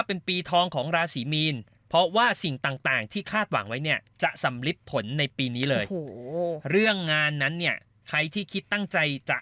แอบหมั่นไส้ยังไงไม่รู้อะ